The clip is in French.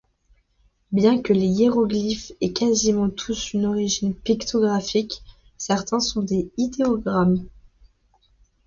Bien que les hiéroglyphes aient quasiment tous une origine pictographique, certains sont des idéogrammes.